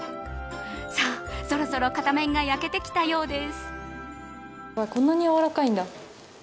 さあ、そろそろ片面が焼けてきたようです。